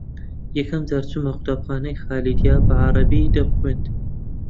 یەکەم جار چوومە قوتابخانەی خالیدیە بە عەرەبی دەمخوێند